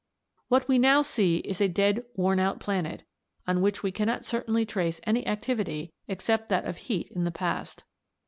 What we now see is a dead worn out planet, on which we cannot certainly trace any activity except that of heat in the past.